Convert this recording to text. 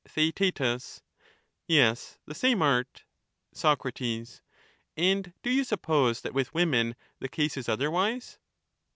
Theaet, Yes, the same art. Soc, And do you suppose that with women the case is otherwise